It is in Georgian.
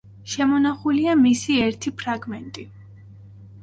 შემონახულია მისი ერთი ფრაგმენტი.